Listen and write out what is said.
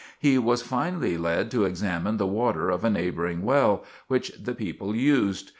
He was finally led to examine the water of a neighboring well, which the people used.